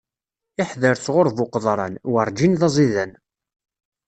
Iḥder sɣuṛ bu qeḍran, werǧin d aẓidan.